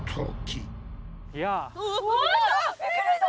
びっくりした！